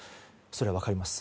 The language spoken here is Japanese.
それは分かります。